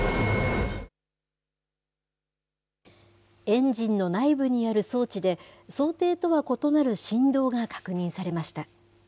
エンジンの内部にある装置で、想定とは異なる振動が確認されました。